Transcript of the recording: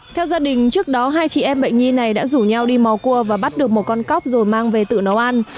theo gia đình trước đó hai chị em bệnh nhi này đã rủ nhau đi mò cua và bắt được một con cóc rồi mang về tự nấu ăn